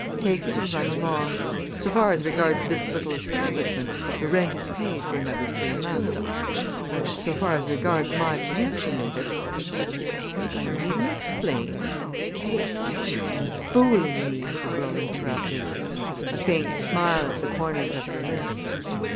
Take it and run along. So far as regards this little establishment the rent is paid for another three months; but, so far as regards my connection with it, I think I needn't explain " "That you've been fooling me!" the girl interrupted, a faint smile at the corners of her lips.